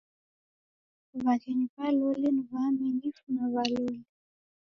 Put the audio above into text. W'aghenyi w'a loli ni w'aamifu na w'a loli.